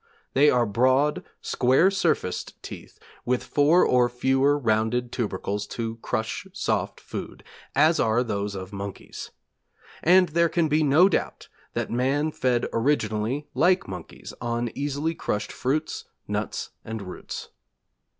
They are broad, square surfaced teeth with four or fewer low rounded tubercles to crush soft food, as are those of monkeys. And there can be no doubt that man fed originally like monkeys, on easily crushed fruits, nuts, and roots.'